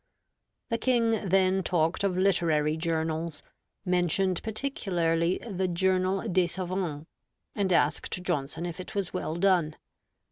The King then talked of literary journals, mentioned particularly the Journal des Savants, and asked Johnson if it was well done.